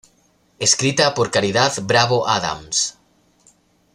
Escrita por Caridad Bravo Adams.